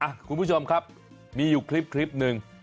คุณผู้ชมครับมีอยู่คลิปหนึ่ง